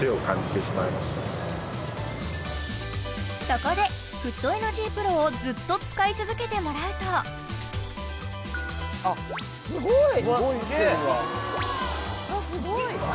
そこでフットエナジープロをずっと使い続けてもらうとすごい！